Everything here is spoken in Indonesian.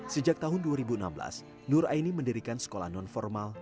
sejak tahun dua ribu enam belas nur aini mendirikan sekolah non formal